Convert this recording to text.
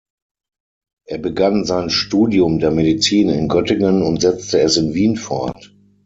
Er begann sein Studium der Medizin in Göttingen und setzte es in Wien fort.